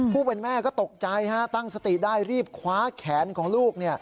ผู้เป็นแม่ก็ตกใจตั้งสติได้รีบคว้าแขนของลูก